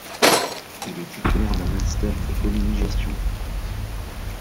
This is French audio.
Il est titulaire d'un master Économie-Gestion.